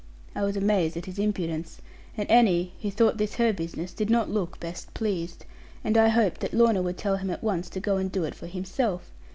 I was amazed at his impudence; and Annie, who thought this her business, did not look best pleased; and I hoped that Lorna would tell him at once to go and do it for himself.